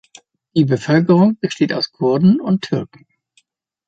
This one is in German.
Die Bevölkerung besteht aus Kurden und Türken.